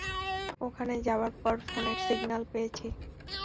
ওখানে যাবার পর ফোনের সিগন্যাল পেয়েছি।